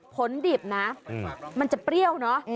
ผลดิบนะมันจะเปรี้ยวเนอะ